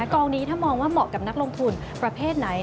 กองนี้ถ้ามองว่าเหมาะกับนักลงทุนประเภทไหน